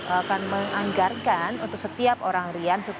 akan menganggarkan untuk setiap orang rian